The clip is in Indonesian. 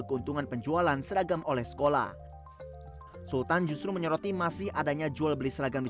keuntungan penjualan seragam oleh sekolah sultan justru menyoroti masih adanya jual beli seragam di